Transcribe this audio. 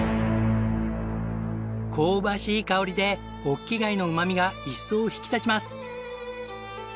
香ばしい香りでホッキ貝のうまみが一層引き立ちます。